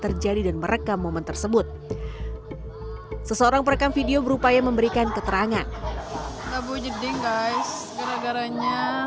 terjadi dan merekam momen tersebut seseorang perekam video berupaya memberikan keterangan